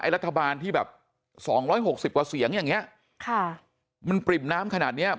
รัฐบาลที่แบบ๒๖๐กว่าเสียงอย่างนี้ค่ะมันปริ่มน้ำขนาดเนี้ย